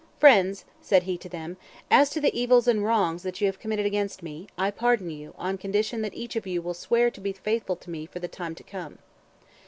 "Friends," said he to them, "as to the evils and wrongs that you have committed against me, I pardon you on condition that each of you will swear to be faithful to me for the time to come."